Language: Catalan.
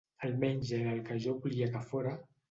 Almenys era el que jo volia que fóra...